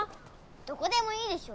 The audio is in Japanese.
どこでもいいでしょ！